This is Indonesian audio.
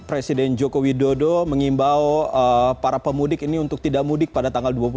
presiden joko widodo mengimbau para pemudik ini untuk tidak mudik pada tanggal dua puluh tiga